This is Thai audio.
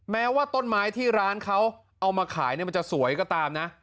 แม้ว่าต้นไม้ที่ร้านเขาเอามาขายมันจะสวยก็ตามนะ